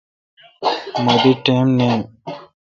مہ دی ٹئم نین۔